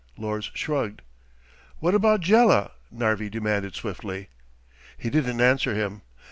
Lors shrugged. "What about Jela," Narvi demanded swiftly. He didn't answer him.